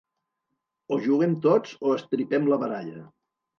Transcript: O juguem tots o estripem la baralla.